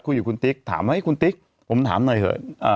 คุณติ๊กถามเฮ้ยคุณติ๊กผมถามหน่อยเถอะ